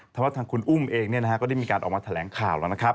แต่ว่าทางคุณอุ้มเองก็ได้มีการออกมาแถลงข่าวแล้วนะครับ